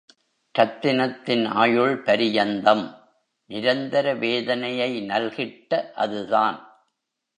ரத்தினத்தின் ஆயுள் பரியந்தம் நிரந்தர வேதனையை நல்கிட்ட அதுதான்.